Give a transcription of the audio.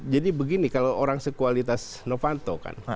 begini kalau orang sekualitas novanto kan